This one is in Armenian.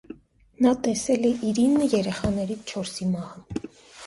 Նա տեսել է իր ինը երեխաներից չորսի մահը։